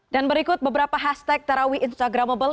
dan berikut beberapa hashtag tarawih instagramable